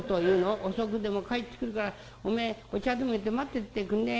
『遅くても帰ってくるからおめえお茶でもいれて待っててくんねえ？』